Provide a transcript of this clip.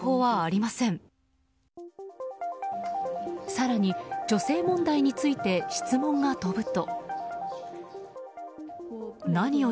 更に、女性問題について質問が飛ぶと。